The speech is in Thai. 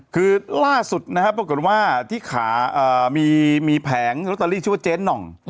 คือล่าสุดนะครับปรากฏว่าที่ขามีแผงลอตเตอรี่ชื่อว่าเจ๊หน่อง